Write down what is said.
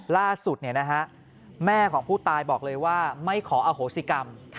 ล่าสุดแม่ของผู้ตายบอกเลยว่าไม่ขออโหสิกรรม